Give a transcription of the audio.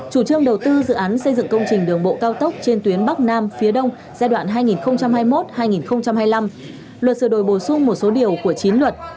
chủ trương đầu tư dự án xây dựng công trình đường bộ cao tốc trên tuyến bắc nam phía đông giai đoạn hai nghìn hai mươi một hai nghìn hai mươi năm luật sửa đổi bổ sung một số điều của chín luật